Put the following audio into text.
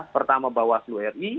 pertama mbak waslu ri